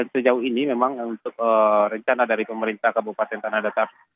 sejauh ini memang untuk rencana dari pemerintah kabupaten tanah datar